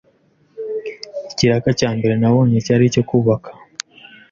Ikiraka nabonye cya mbere cyari icyo kubaka